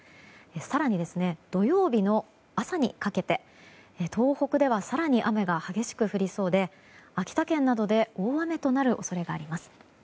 更に土曜日の朝にかけて東北では更に雨が激しく降りそうで秋田県などで大雨となる恐れがあります。